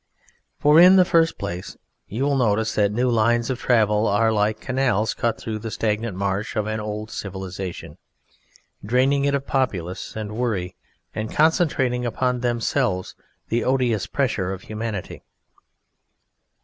For in the first place you will notice that new lines of travel are like canals cut through the stagnant marsh of an old civilisation, draining it of populace and worry, and concentrating upon themselves the odious pressure of humanity.